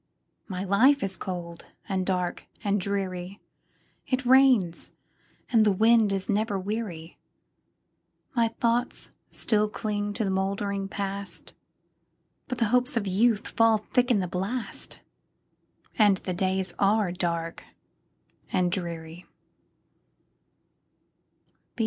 My life is cold, and dark, and dreary; It rains, and the wind is never weary; My thoughts still cling to the moldering Past, But the hopes of youth fall thick in the blast, And the days are dark and dreary.